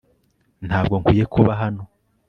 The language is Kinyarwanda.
Ntabwo nkwiye kuba hano